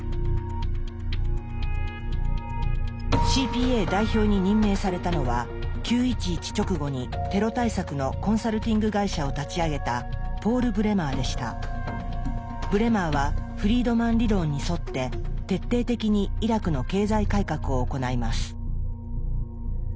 ＣＰＡ代表に任命されたのは９．１１直後にテロ対策のコンサルティング会社を立ち上げたブレマーはフリードマン理論に沿って徹底的にイラクの経済改革を行います。